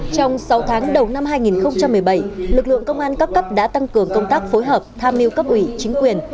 trong sáu tháng đầu năm hai nghìn một mươi bảy lực lượng công an các cấp đã tăng cường công tác phối hợp tham mưu cấp ủy chính quyền